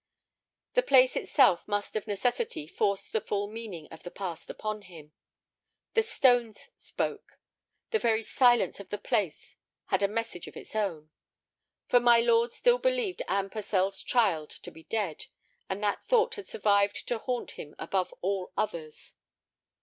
The place itself must of necessity force the full meaning of the past upon him. The stones spoke; the very silence of the place had a message of its own. For my lord still believed Anne Purcell's child to be dead, and that thought had survived to haunt him above all others.